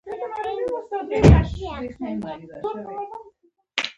د تشناب کاغذ هم تولیدوي.